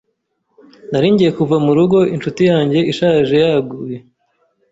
Nari ngiye kuva mu rugo inshuti yanjye ishaje yaguye.